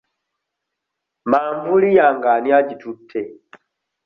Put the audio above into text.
Manvuuli yange ani agitutte?